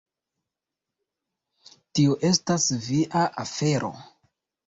Tio estas via afero!